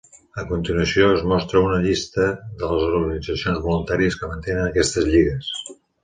A continuació, es mostra una llista de les organitzacions voluntàries que mantenen aquestes lligues.